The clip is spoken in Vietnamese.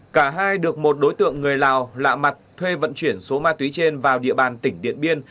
cả hai được một đối tượng người lào lạ mặt thuê vận chuyển số ma túy trên vào địa bàn tỉnh điện biên